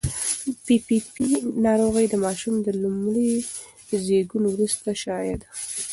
پي پي پي ناروغي د ماشوم د لومړي زېږون وروسته شایع ده.